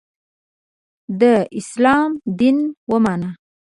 د ه داسلام دین ومانه.